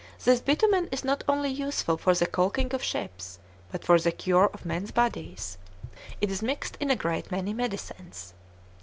This bitumen is not only useful for the caulking of ships, but for the cure of men's bodies; accordingly, it is mixed in a great many medicines.